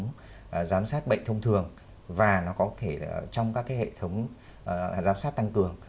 nó có thể giám sát bệnh thông thường và nó có thể trong các cái hệ thống giám sát tăng cường